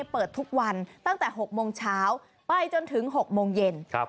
เปิดทุกวันตั้งแต่๖โมงเช้าไปจนถึง๖โมงเย็น